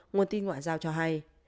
nguồn tin ngoại giao cho hay